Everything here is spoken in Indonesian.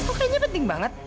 kok kayaknya penting banget